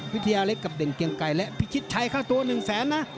วิทยาเล็กกับเด่นเกียงไก่และพิชิตชัยค่าตัว๑แสนนะ